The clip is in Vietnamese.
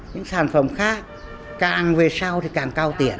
những sản phẩm khác càng về sau thì càng cao tiện